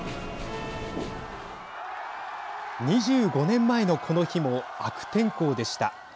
２５年前のこの日も悪天候でした。